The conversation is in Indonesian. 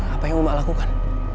apa yang umak lakukan